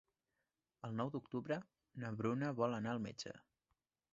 El nou d'octubre na Bruna vol anar al metge.